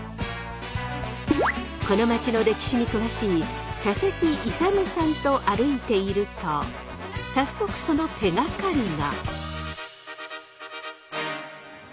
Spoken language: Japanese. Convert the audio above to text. この街の歴史に詳しい佐々木勇さんと歩いていると早速その手がかりが。